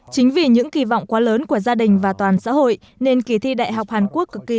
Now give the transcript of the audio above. chính vì những kỳ vọng quá lớn của gia đình và toàn xã hội nên kỳ thi đại học hàn quốc cực kỳ